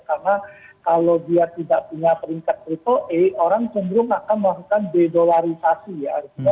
karena kalau dia tidak punya peringkat triple a orang cenderung akan melakukan dedolarisasi ya